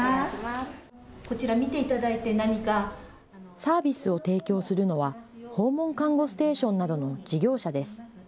サービスを提供するのは訪問看護ステーションなどの事業者です。